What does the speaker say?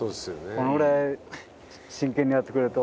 このぐらい真剣にやってくれると。